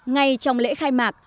ngay trong lễ khai mạc